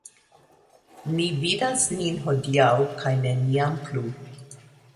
Ni vidas nin hodiaŭ kaj neniam plu.